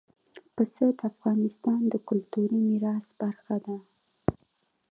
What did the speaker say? پسه د افغانستان د کلتوري میراث برخه ده.